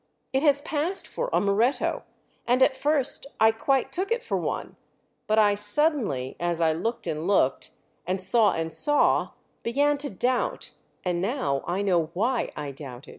It has passed for a Moretto, and at first I quite took it for one; but I suddenly, as I looked and looked and saw and saw, began to doubt, and now I know why I doubted."